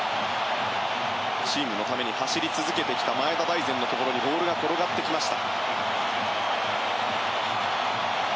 チームのために走り続けてきた前田大然のところにボールが転がってきました。